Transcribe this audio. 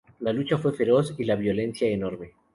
La lucha fue feroz y la violencia, enorme.